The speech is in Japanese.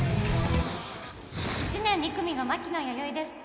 １年２組の牧野弥生です